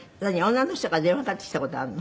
女の人から電話かかってきた事あるの？